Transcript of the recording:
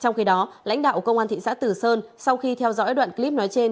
trong khi đó lãnh đạo công an thị xã tử sơn sau khi theo dõi đoạn clip nói trên